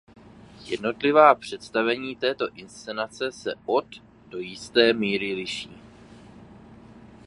Jednotlivá představení této inscenace se od do jisté míry liší.